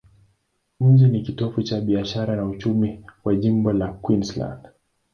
Mji ni kitovu cha biashara na uchumi kwa jimbo la Queensland.